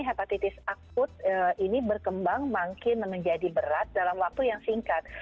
hepatitis akut ini berkembang makin menjadi berat dalam waktu yang singkat